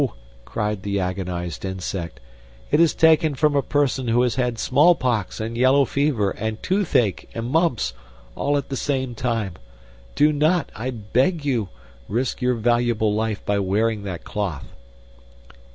cried the agonized Insect; "it is taken from a person who has had small pox and yellow fever and toothache and mumps all at the same time. Do not, I bet you, risk your valuable life by wearing that cloth!"